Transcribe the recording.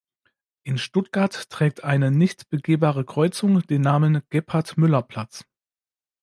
In Stuttgart trägt eine nicht begehbare Kreuzung den Namen Gebhard-Müller-Platz.